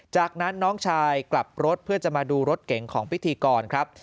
จากนั้นน้องชายกลับรถเพื่อจะมาดูรถเก๋งของพิธีกรครับ